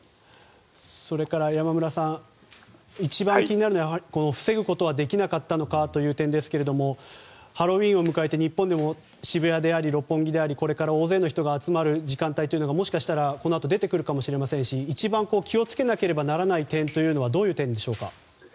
それから、山村さん一番気になるのはやはり防ぐことはできなかったのかという点ですがハロウィーンを迎えて日本でも渋谷や六本木でこれから大勢の人が集まる時間帯がもしかしたら、このあと出てくるかもしれませんし一番気をつけなければいけないのはどういう点でしょうか？